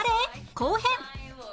後編